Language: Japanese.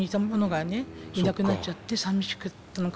いなくなっちゃって寂しかったのかも。